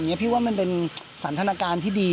ผมยังภิกษาว่าเป็นสันทนการที่ดี